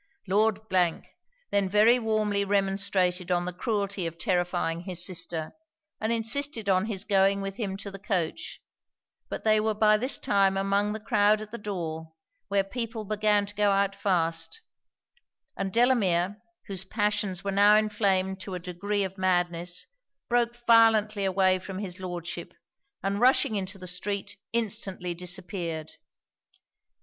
Lord then very warmly remonstrated on the cruelty of terrifying his sister, and insisted on his going with him to the coach: but they were by this time among the croud at the door, where people began to go out fast; and Delamere, whose passions were now inflamed to a degree of madness, broke violently away from his Lordship; and rushing into the street, instantly disappeared.